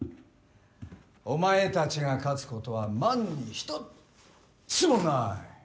お前たちが勝つことは万に一つもない。